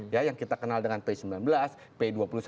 ya yang kita kenal dengan p sembilan belas p dua puluh satu